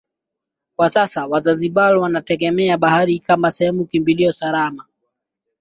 Kwa sasa Wazanzibar wategemee bahari kama sehemu kimbilio salama